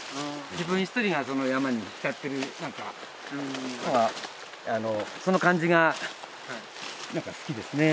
自分一人が山に浸ってる何かその感じが好きですね。